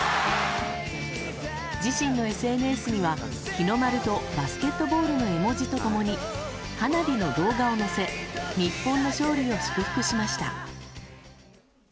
自身のＳＮＳには、日の丸とバスケットボールの絵文字と共に、花火の動画を載せ日本の勝利を祝福しました。